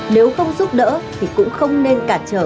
nếu không giúp đỡ thì cũng không nên cản trở